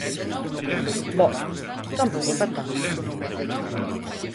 Bo, tampouco é para tanto!